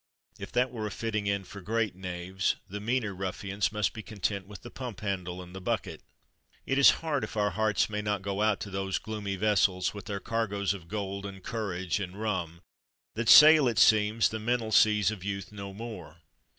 If that were a fitting end for great knaves, the meaner ruffians must be content with the pump handle and the bucket. It is hard if our hearts may not go out to those gloomy vessels, with their cargoes of gold and courage and rum, that sail, it seems, the mental seas of youth no more.